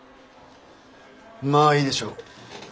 まあいいでしょう。